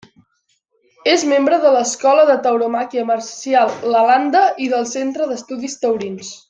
És membre de l'Escola de Tauromàquia Marcial Lalanda i del Centre d'Estudis Taurins.